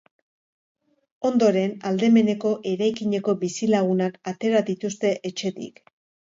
Ondoren, aldameneko eraikineko bizilagunak atera dituzte etxetik.